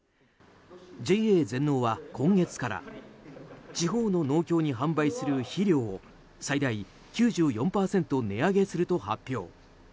ＪＡ全農は今月から地方の農協に販売する肥料を最大９４％値上げすると発表。